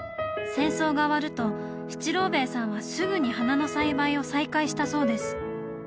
戦争が終わると七郎平さんはすぐに花の栽培を再開したそうです